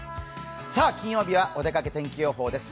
金曜日はおでかけ天気予報です。